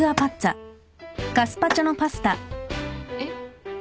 えっ？